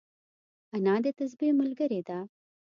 انا د تسبيح ملګرې ده